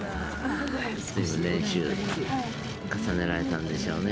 ずいぶん練習重ねられたんでしょうね。